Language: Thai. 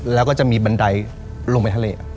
แล้วก็จะมีบันไดลงไปทะเล